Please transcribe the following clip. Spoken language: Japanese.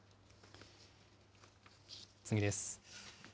次です。